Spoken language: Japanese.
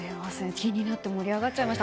気になって盛り上がってしまいました。